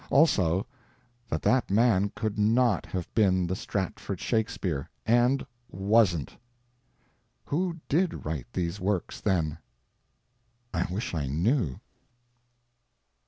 Also, that that man could not have been the Stratford Shakespeare—and wasn't. Who did write these Works, then? I wish I knew.